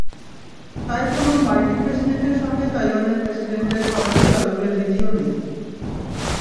তাই কোনো মার্কিন প্রেসিডেন্টের সঙ্গে তাইওয়ানের প্রেসিডেন্টের সরাসরি আলাপের রীতিও নেই।